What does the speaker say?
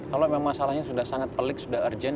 kalau memang masalahnya sudah sangat pelik sudah urgent